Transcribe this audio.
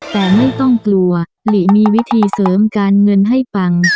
แต่ไม่ต้องกลัวหลีมีวิธีเสริมการเงินให้ปัง